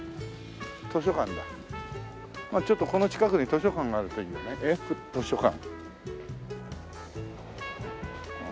ちょっとこの近くに図書館があるといいよね図書館。